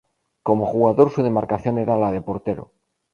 Como jugador su demarcación era la de portero.